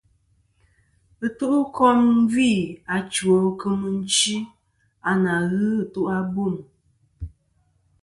Ɨtu'kom gvi achwo kɨ achi a ǹà ghɨ ɨtu' ɨtu'abûm.